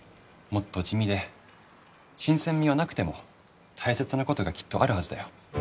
もっと地味で新鮮味はなくても大切なことがきっとあるはずだよ。